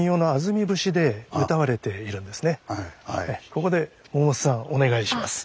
ここで百瀬さんお願いします。